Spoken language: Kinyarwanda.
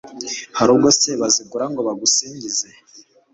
hari ubwo se baziyegura ngo bagusingize